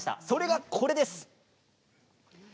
それがこれです。